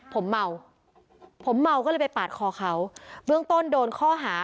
ผมเมาผมเมาก็เลยไปปาดคอเขาเบื้องต้นโดนข้อหา